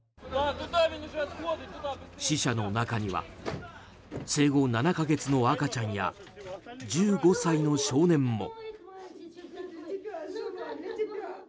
死者の中には生後７か月の赤ちゃんや１５歳の少年も。